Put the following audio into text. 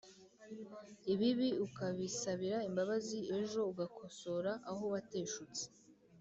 ibibi ukabisabira imbabazi, ejo ugakosora aho wateshutse